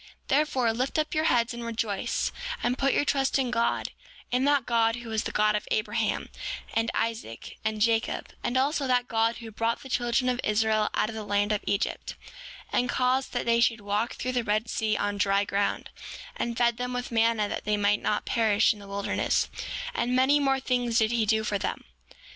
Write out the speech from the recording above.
7:19 Therefore, lift up your heads, and rejoice, and put your trust in God, in that God who was the God of Abraham, and Isaac, and Jacob; and also, that God who brought the children of Israel out of the land of Egypt, and caused that they should walk through the Red Sea on dry ground, and fed them with manna that they might not perish in the wilderness; and many more things did he do for them.